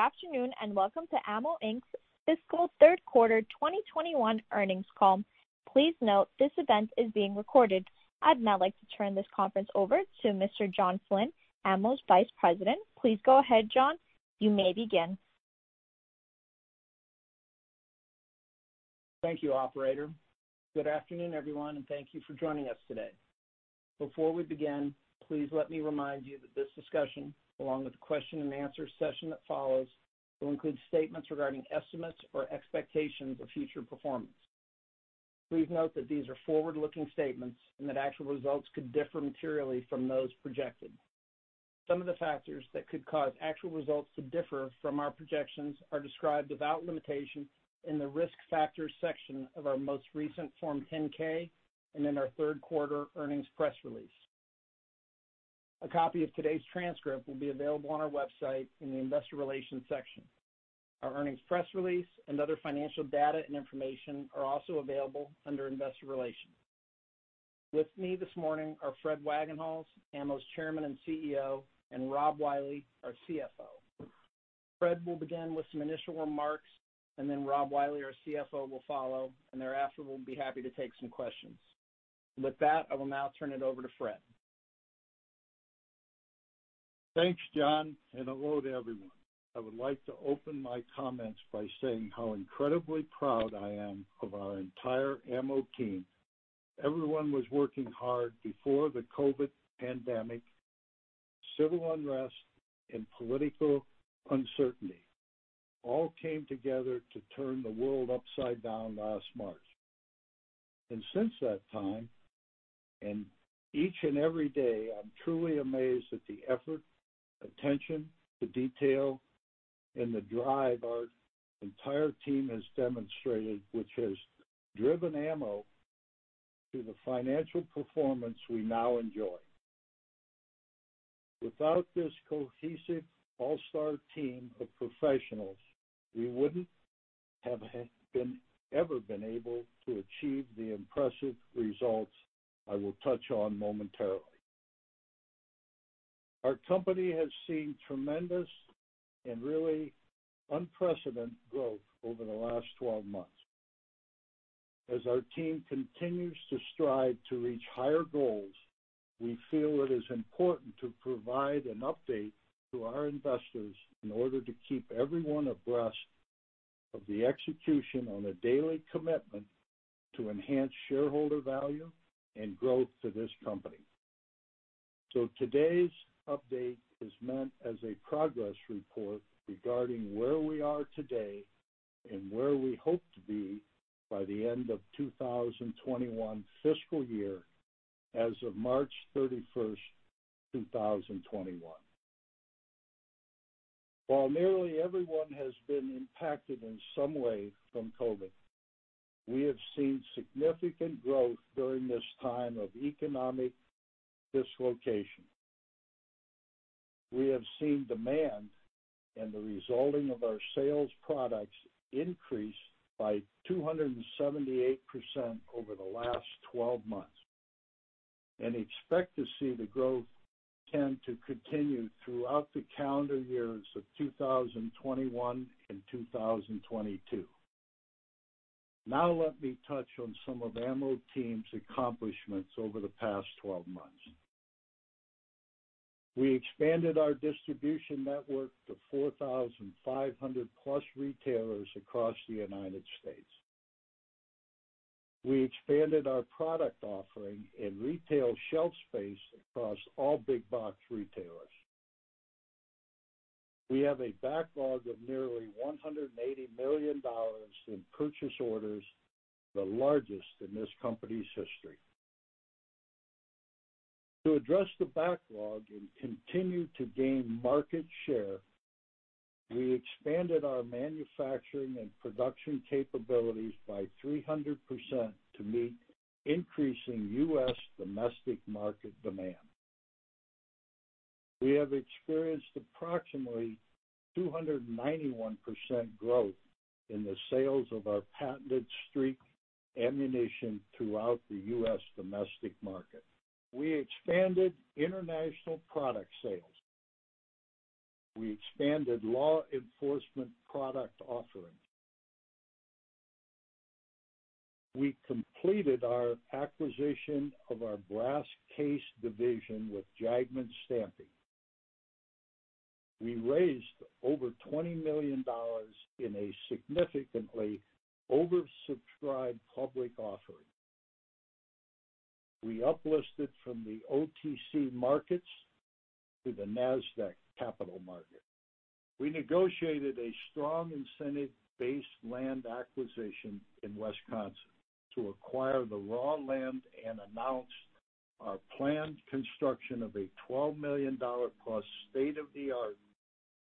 Good afternoon, and welcome to AMMO, Inc's fiscal third quarter 2021 earnings call. Please note this event is being recorded. I'd now like to turn this conference over to Mr. John Flynn, AMMO's Vice President. Please go ahead, John. You may begin. Thank you, operator. Good afternoon, everyone, and thank you for joining us today. Before we begin, please let me remind you that this discussion, along with the question and answer session that follows, will include statements regarding estimates or expectations of future performance. Please note that these are forward-looking statements, and that actual results could differ materially from those projected. Some of the factors that could cause actual results to differ from our projections are described without limitation in the Risk Factors section of our most recent Form 10-K, and in our third quarter earnings press release. A copy of today's transcript will be available on our website in the investor relations section. Our earnings press release and other financial data and information are also available under investor relations. With me this morning are Fred Wagenhals, AMMO's Chairman and CEO, and Rob Wiley, our CFO. Fred will begin with some initial remarks, and then Rob Wiley, our CFO, will follow, and thereafter, we'll be happy to take some questions. With that, I will now turn it over to Fred. Thanks, John. Hello to everyone. I would like to open my comments by saying how incredibly proud I am of our entire AMMO team. Everyone was working hard before the COVID pandemic, civil unrest, and political uncertainty all came together to turn the world upside down last March. Since that time, and each and every day, I'm truly amazed at the effort, attention to detail, and the drive our entire team has demonstrated, which has driven AMMO to the financial performance we now enjoy. Without this cohesive, all-star team of professionals, we wouldn't have ever been able to achieve the impressive results I will touch on momentarily. Our company has seen tremendous and really unprecedented growth over the last 12 months. As our team continues to strive to reach higher goals, we feel it is important to provide an update to our investors in order to keep everyone abreast of the execution on a daily commitment to enhance shareholder value and growth to this company. Today's update is meant as a progress report regarding where we are today and where we hope to be by the end of 2021 fiscal year as of March 31st, 2021. While nearly everyone has been impacted in some way from COVID, we have seen significant growth during this time of economic dislocation. We have seen demand and the resulting of our sales products increase by 278% over the last 12 months, and expect to see the growth trend to continue throughout the calendar years of 2021 and 2022. Now let me touch on some of AMMO team's accomplishments over the past 12 months. We expanded our distribution network to 4,500+ retailers across the United States. We expanded our product offering and retail shelf space across all big box retailers. We have a backlog of nearly $180 million in purchase orders, the largest in this company's history. To address the backlog and continue to gain market share, we expanded our manufacturing and production capabilities by 300% to meet increasing U.S. domestic market demand. We have experienced approximately 291% growth in the sales of our patented STREAK ammunition throughout the U.S. domestic market. We expanded international product sales. We expanded law enforcement product offerings. We completed our acquisition of our brass case division with Jagemann Stamping. We raised over $20 million in a significantly oversubscribed public offering. We uplisted from the OTC markets to the Nasdaq Capital Market. We negotiated a strong incentive-based land acquisition in Wisconsin to acquire the raw land and announce our planned construction of a $12+ million state-of-the-art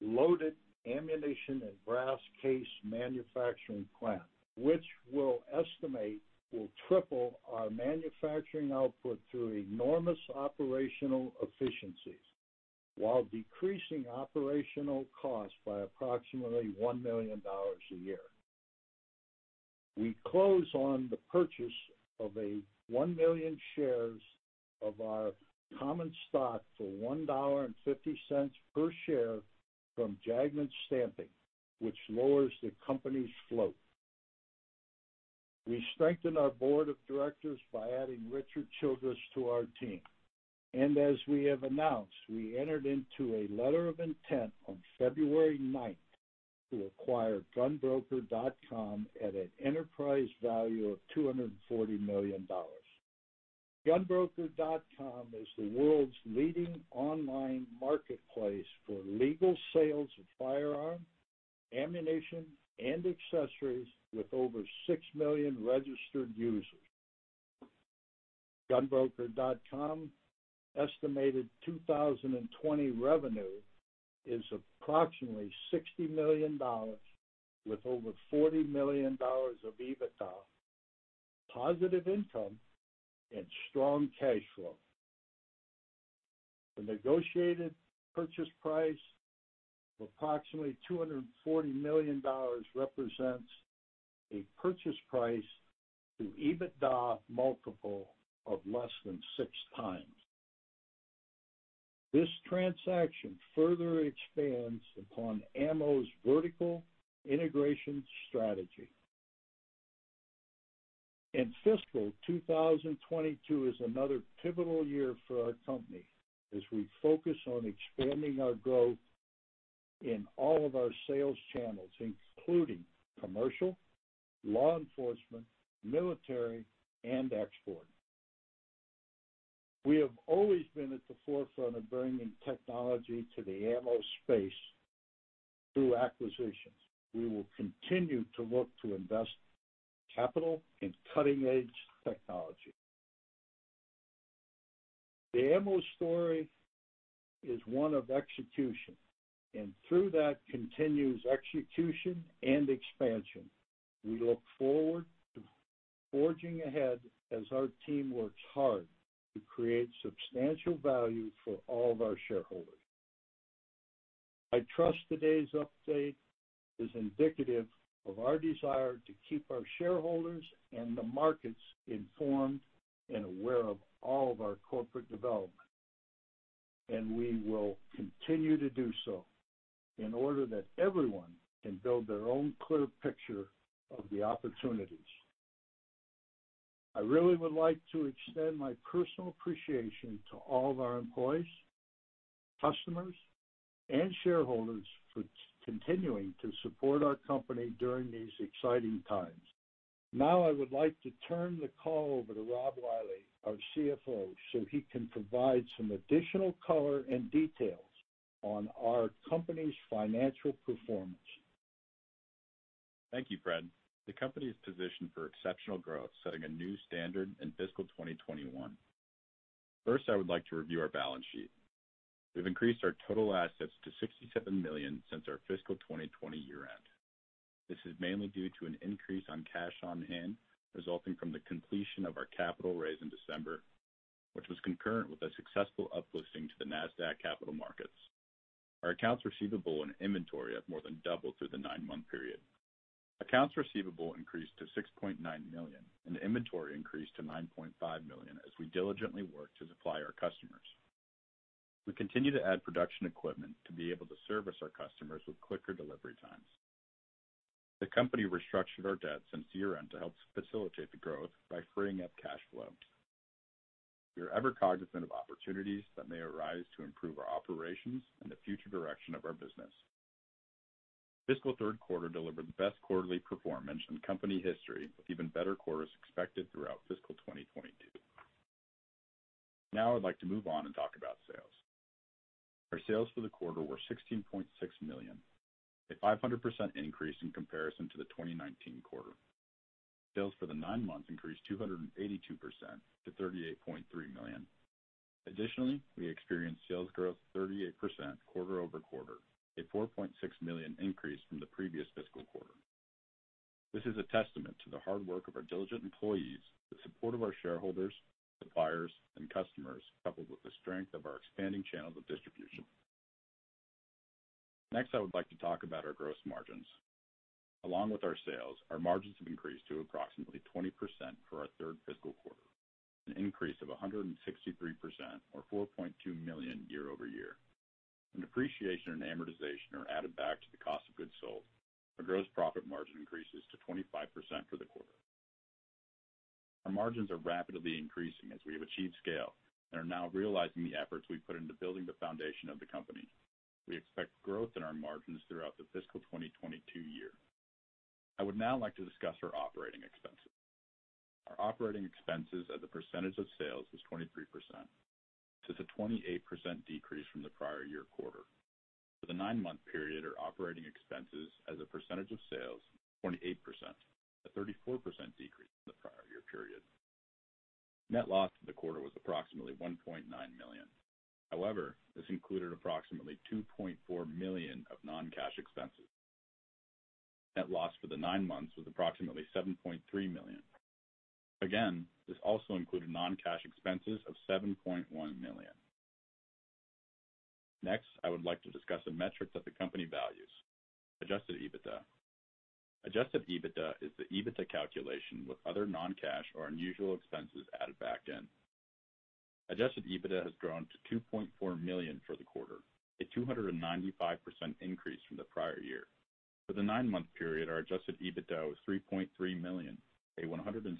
loaded ammunition and brass case manufacturing plant, which we'll estimate will triple our manufacturing output through enormous operational efficiencies while decreasing operational costs by approximately $1 million a year. We close on the purchase of 1 million shares of our common stock for $1.50 per share from Jagemann Stamping, which lowers the company's float. We strengthen our board of directors by adding Richard Childress to our team. As we have announced, we entered into a letter of intent on February 9th to acquire GunBroker.com at an enterprise value of $240 million. GunBroker.com is the world's leading online marketplace for legal sales of firearm, ammunition, and accessories, with over 6 million registered users. GunBroker.com estimated 2020 revenue is approximately $60 million, with over $40 million of EBITDA, positive income, and strong cash flow. The negotiated purchase price of approximately $240 million represents a purchase price to EBITDA multiple of less than 6x. This transaction further expands upon AMMO's vertical integration strategy. Fiscal 2022 is another pivotal year for our company as we focus on expanding our growth in all of our sales channels, including commercial, law enforcement, military, and export. We have always been at the forefront of bringing technology to the AMMO space through acquisitions. We will continue to look to invest capital in cutting-edge technology. The AMMO story is one of execution, and through that continues execution and expansion. We look forward to forging ahead as our team works hard to create substantial value for all of our shareholders. I trust today's update is indicative of our desire to keep our shareholders and the markets informed and aware of all of our corporate developments. We will continue to do so in order that everyone can build their own clear picture of the opportunities. I really would like to extend my personal appreciation to all of our employees, customers, and shareholders for continuing to support our company during these exciting times. Now, I would like to turn the call over to Rob Wiley, our CFO, so he can provide some additional color and details on our company's financial performance. Thank you, Fred. The company is positioned for exceptional growth, setting a new standard in fiscal 2021. I would like to review our balance sheet. We've increased our total assets to $67 million since our fiscal 2020 year-end. This is mainly due to an increase in cash on hand resulting from the completion of our capital raise in December, which was concurrent with a successful uplisting to the Nasdaq Capital Market. Our accounts receivable and inventory have more than doubled through the nine-month period. Accounts receivable increased to $6.9 million, and inventory increased to $9.5 million as we diligently work to supply our customers. We continue to add production equipment to be able to service our customers with quicker delivery times. The company restructured our debt since year-end to help facilitate the growth by freeing up cash flow. We are ever cognizant of opportunities that may arise to improve our operations and the future direction of our business. Fiscal third quarter delivered the best quarterly performance in company history, with even better quarters expected throughout fiscal 2022. Now I'd like to move on and talk about sales. Our sales for the quarter were $16.6 million, a 500% increase in comparison to the 2019 quarter. Sales for the nine months increased 282% to $38.3 million. Additionally, we experienced sales growth 38% quarter-over-quarter, a $4.6 million increase from the previous fiscal quarter. This is a testament to the hard work of our diligent employees, the support of our shareholders, suppliers, and customers, coupled with the strength of our expanding channels of distribution. Next, I would like to talk about our gross margins. Along with our sales, our margins have increased to approximately 20% for our third fiscal quarter, an increase of 163%, or $4.2 million year-over-year. When depreciation and amortization are added back to the cost of goods sold, our gross profit margin increases to 25% for the quarter. Our margins are rapidly increasing as we have achieved scale and are now realizing the efforts we've put into building the foundation of the company. We expect growth in our margins throughout the fiscal 2022 year. I would now like to discuss our operating expenses. Our operating expenses as a percentage of sales was 23%. This is a 28% decrease from the prior year quarter. For the nine-month period, our operating expenses as a percentage of sales, 28%, a 34% decrease from the prior year period. Net loss for the quarter was approximately $1.9 million. However, this included approximately $2.4 million of non-cash expenses. Net loss for the nine months was approximately $7.3 million. Again, this also included non-cash expenses of $7.1 million. Next, I would like to discuss the metrics that the company values. Adjusted EBITDA. Adjusted EBITDA is the EBITDA calculation with other non-cash or unusual expenses added back in. Adjusted EBITDA has grown to $2.4 million for the quarter, a 295% increase from the prior year. For the nine-month period, our adjusted EBITDA was $3.3 million, a 170%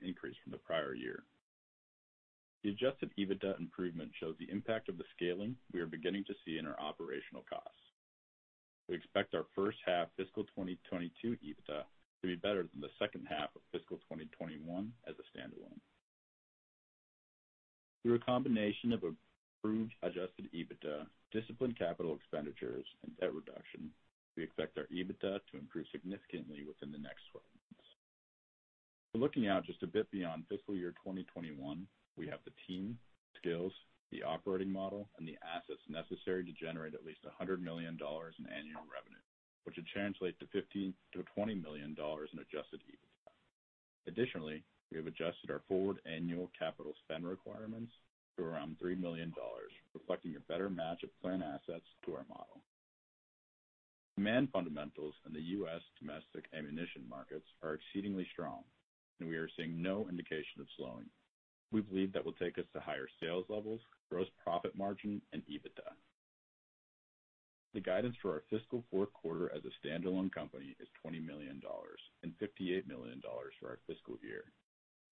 increase from the prior year. The adjusted EBITDA improvement shows the impact of the scaling we are beginning to see in our operational costs. We expect our first half fiscal 2022 EBITDA to be better than the second half of fiscal 2021 as a standalone. Through a combination of improved adjusted EBITDA, disciplined capital expenditures, and debt reduction, we expect our EBITDA to improve significantly within the next 12 months. We're looking out just a bit beyond fiscal year 2021. We have the team, skills, the operating model, and the assets necessary to generate at least $100 million in annual revenue, which would translate to $15 million-$20 million in adjusted EBITDA. Additionally, we have adjusted our forward annual capital spend requirements to around $3 million, reflecting a better match of plant assets to our model. Demand fundamentals in the U.S. domestic ammunition markets are exceedingly strong, and we are seeing no indication of slowing. We believe that will take us to higher sales levels, gross profit margin, and EBITDA. The guidance for our fiscal fourth quarter as a standalone company is $20 million and $58 million for our fiscal year.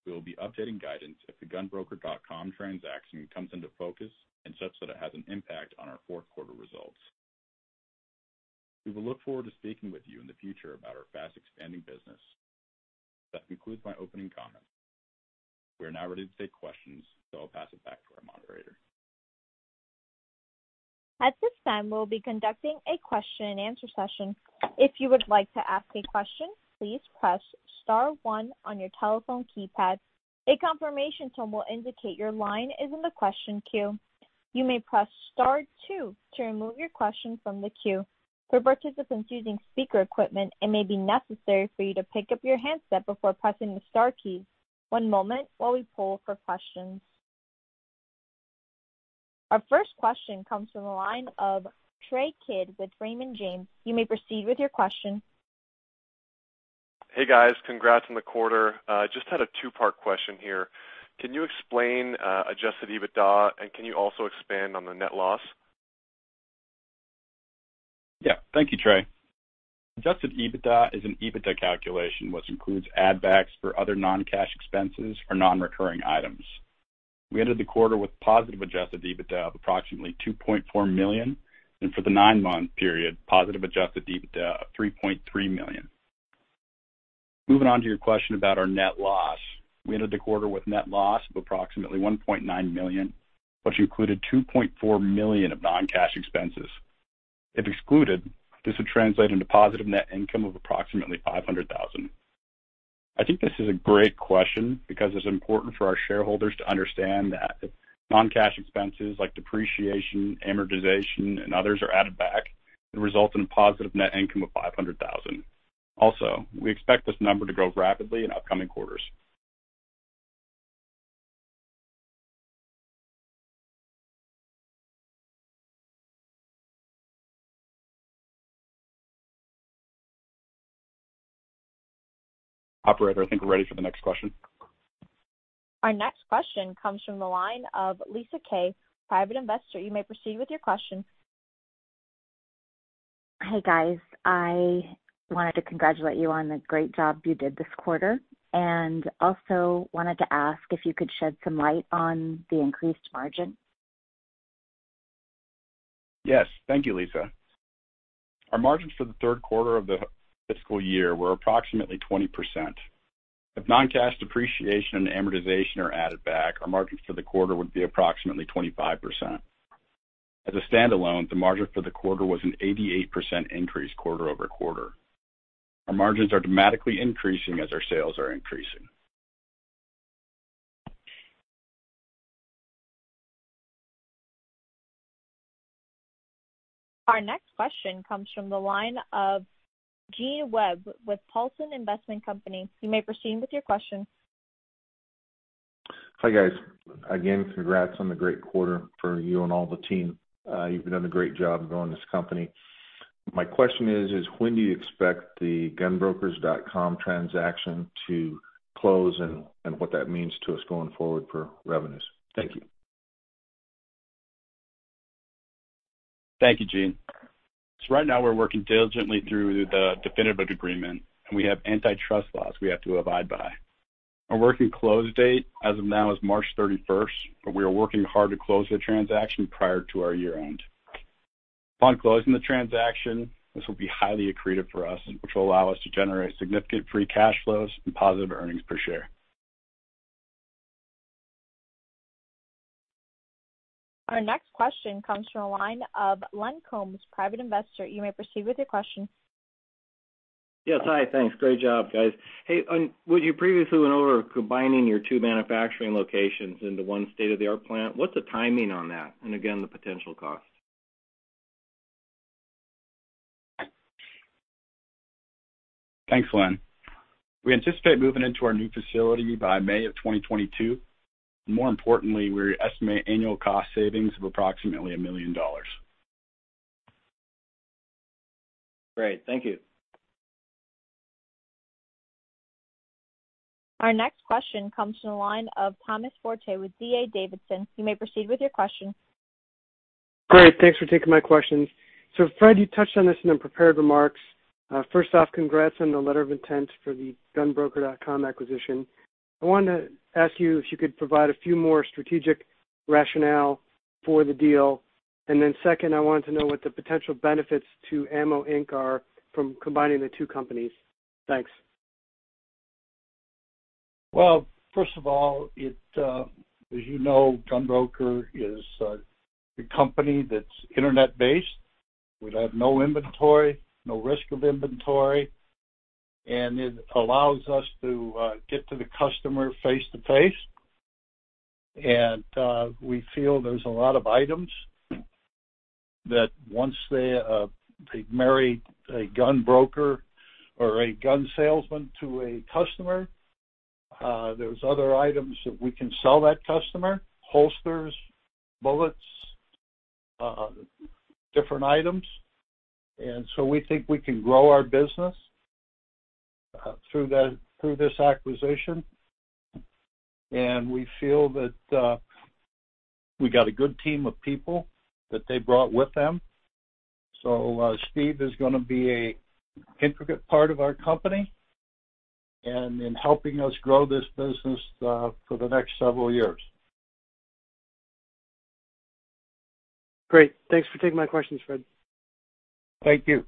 We will be updating guidance if the GunBroker.com transaction comes into focus and such that it has an impact on our fourth quarter results. We will look forward to speaking with you in the future about our fast-expanding business. That concludes my opening comments. We are now ready to take questions, so I'll pass it back to our moderator. At this time, we'll be conducting a question and answer session. If you would like to ask a question, please press star one on your telephone keypad. A confirmation tone will indicate your line is in the question queue. You may press star two to remove your question from the queue. For participants using speaker equipment, it may be necessary for you to pick up your handset before pressing the star key. One moment while we poll for questions. Our first question comes from the line of Trey Kidd with Raymond James. You may proceed with your question. Hey, guys. Congrats on the quarter. Just had a two-part question here. Can you explain adjusted EBITDA, and can you also expand on the net loss? Thank you, Trey. Adjusted EBITDA is an EBITDA calculation, which includes add backs for other non-cash expenses for non-recurring items. We ended the quarter with positive adjusted EBITDA of approximately $2.4 million, and for the nine-month period, positive adjusted EBITDA of $3.3 million. Moving on to your question about our net loss, we ended the quarter with net loss of approximately $1.9 million, which included $2.4 million of non-cash expenses. If excluded, this would translate into positive net income of approximately $500,000. I think this is a great question because it's important for our shareholders to understand that if non-cash expenses like depreciation, amortization, and others are added back, it results in a positive net income of $500,000. We expect this number to grow rapidly in upcoming quarters. Operator, I think we're ready for the next question. Our next question comes from the line of Lisa Kay, private investor. You may proceed with your question. Hey, guys. I wanted to congratulate you on the great job you did this quarter, and also wanted to ask if you could shed some light on the increased margin. Yes. Thank you, Lisa. Our margins for the third quarter of the fiscal year were approximately 20%. If non-cash depreciation and amortization are added back, our margins for the quarter would be approximately 25%. As a standalone, the margin for the quarter was an 88% increase quarter-over-quarter. Our margins are dramatically increasing as our sales are increasing. Our next question comes from the line of Gene Webb with Paulson Investment Company. You may proceed with your question. Hi, guys. Again, congrats on the great quarter for you and all the team. You've been doing a great job growing this company. My question is, when do you expect the GunBroker.com transaction to close and what that means to us going forward for revenues? Thank you. Thank you, Gene. Right now, we're working diligently through the definitive agreement, and we have antitrust laws we have to abide by. Our working close date as of now is March 31st, we are working hard to close the transaction prior to our year-end. Upon closing the transaction, this will be highly accretive for us, which will allow us to generate significant free cash flows and positive earnings per share. Our next question comes from the line of Len Combs, private investor. You may proceed with your question. Yes. Hi. Thanks. Great job, guys. Hey, when you previously went over combining your two manufacturing locations into one state-of-the-art plant, what's the timing on that, and again, the potential cost? Thanks, Len. We anticipate moving into our new facility by May of 2022. More importantly, we estimate annual cost savings of approximately $1 million. Great. Thank you. Our next question comes to the line of Thomas Forte with D.A. Davidson. You may proceed with your question. Great. Thanks for taking my questions. Fred, you touched on this in the prepared remarks. First off, congrats on the letter of intent for the GunBroker.com acquisition. I wanted to ask you if you could provide a few more strategic rationale for the deal. Second, I wanted to know what the potential benefits to AMMO, Inc are from combining the two companies. Thanks. Well, first of all, as you know, GunBroker is a company that's internet-based. We'd have no inventory, no risk of inventory, and it allows us to get to the customer face-to-face. We feel there's a lot of items that once they marry a gun broker or a gun salesman to a customer, there's other items that we can sell that customer, holsters, bullets, different items. We think we can grow our business through this acquisition. We feel that we got a good team of people that they brought with them. Steve is going to be an intricate part of our company and in helping us grow this business for the next several years. Great. Thanks for taking my questions, Fred. Thank you.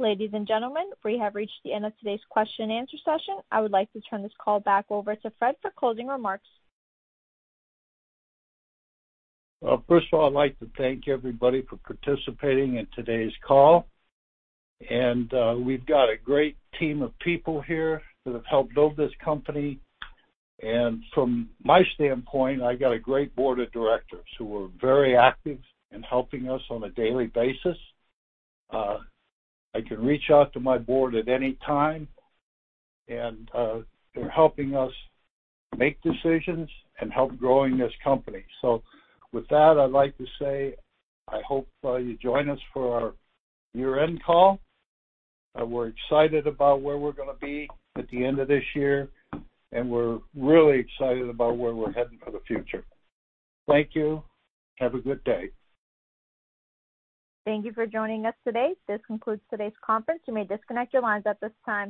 Ladies and gentlemen, we have reached the end of today's question and answer session. I would like to turn this call back over to Fred for closing remarks. Well, first of all, I'd like to thank everybody for participating in today's call. We've got a great team of people here that have helped build this company. From my standpoint, I got a great board of directors who are very active in helping us on a daily basis. I can reach out to my board at any time, and they're helping us make decisions and help growing this company. With that, I'd like to say, I hope you join us for our year-end call. We're excited about where we're going to be at the end of this year, and we're really excited about where we're heading for the future. Thank you. Have a good day. Thank you for joining us today. This concludes today's conference. You may disconnect your lines at this time.